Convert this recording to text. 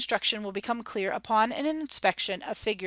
struction will become clear upon an inspection of Figs.